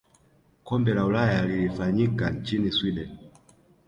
kombe la ulaya lilifanyika nchini sweden